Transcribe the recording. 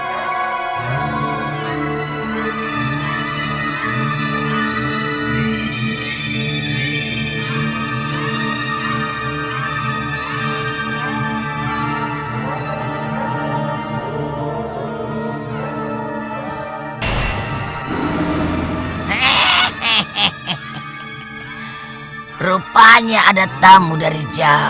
itu parah sekali